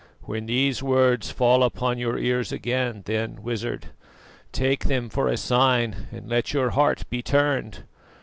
When these words fall upon your ears again, then, Wizard, take them for a sign and let your heart be turned.